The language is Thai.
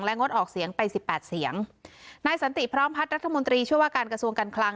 งดออกเสียงไปสิบแปดเสียงนายสันติพร้อมพัฒน์รัฐมนตรีช่วยว่าการกระทรวงการคลัง